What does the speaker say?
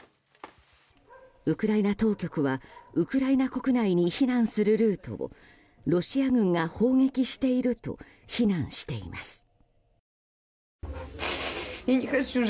ウクライナ当局はウクライナ国内に避難するルートをロシア軍が砲撃していると非難しています。